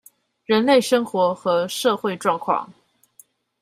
人類生活和社會狀況